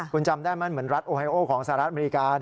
คุณจำได้ไหมเหมือนรัฐโอไฮโอของสหรัฐอเมริกา